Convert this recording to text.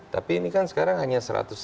tapi ini kan sekarang hanya seratus